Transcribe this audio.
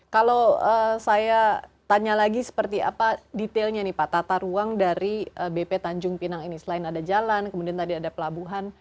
kalau saya tanya lagi seperti apa detailnya nih pak tata ruang dari bp tanjung pinang ini selain ada jalan kemudian tadi ada pelabuhan